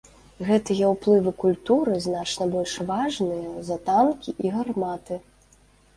Гэтыя ўплывы культуры значна больш важныя за танкі і гарматы.